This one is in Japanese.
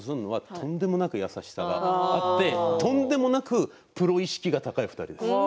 とんでもない優しさがあってとんでもなくプロ意識の高いお二人です。